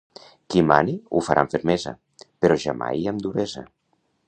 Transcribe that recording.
Qui mane, ho farà amb fermesa, però jamai amb duresa.